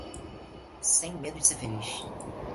Sem medo de ser feliz